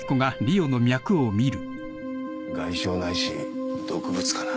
外傷ないし毒物かな。